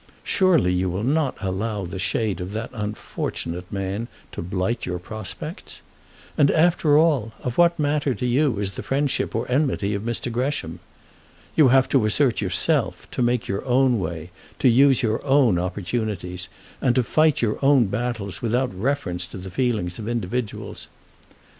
Surely you will not allow the shade of that unfortunate man to blight your prospects? And, after all, of what matter to you is the friendship or enmity of Mr. Gresham? You have to assert yourself, to make your own way, to use your own opportunities, and to fight your own battle without reference to the feelings of individuals.